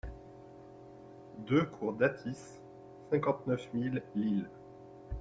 deux cour Dathis, cinquante-neuf mille Lille